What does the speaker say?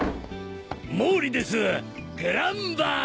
毛利ですグランヴァン！